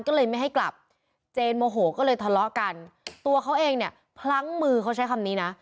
ก็เลยไม่ให้กลับเจนโมโหก็เลยทะเลาะกันตัวเขาเองเนี่ยพลั้งมือเขาใช้คำนี้นะ